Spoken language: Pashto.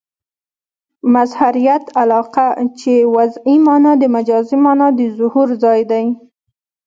مظهریت علاقه؛ چي وضعي مانا د مجازي مانا د ظهور ځای يي.